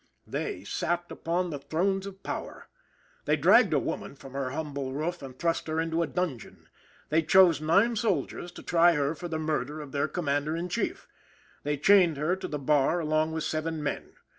They sat upon the thrones of power. They dragged a woman from her humble roof and thrust her into a dungeon. They chose nine soldiers to try her for the murder of their Commander in Chief. They chained her to the bar along with seven men.